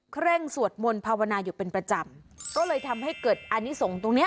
เร่งสวดมนต์ภาวนาอยู่เป็นประจำก็เลยทำให้เกิดอานิสงฆ์ตรงเนี้ย